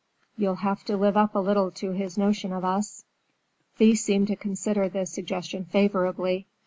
You'll have to live up a little to his notion of us." Thea seemed to consider the suggestion favorably.